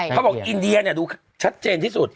เขาบอกอินเดียดูชัดเจนที่สุด